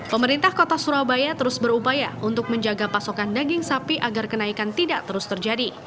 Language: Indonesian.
pemerintah kota surabaya terus berupaya untuk menjaga pasokan daging sapi agar kenaikan tidak terus terjadi